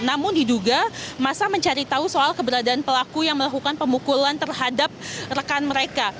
namun diduga masa mencari tahu soal keberadaan pelaku yang melakukan pemukulan terhadap rekan mereka